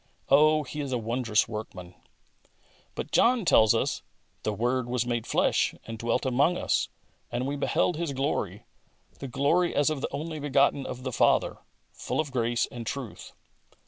Oh, He is a wondrous workman ! But John tells us " The Word was made flesh and dwelt among us (and we beheld His glory, the glory as of the only begotten of the Father) full of grace and truth."